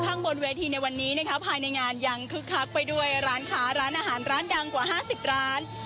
ข้างบนเวทีในวันนี้นะครับห้ายในงานยังคึกครับไปด้วยร้านข้าร้านอาหารร้านแดทจากลาน